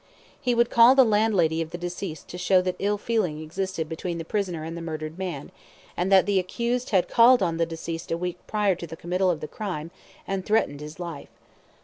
He would call the landlady of the deceased to show that ill feeling existed between the prisoner and the murdered man, and that the accused had called on the deceased a week prior to the committal of the crime, and threatened his life.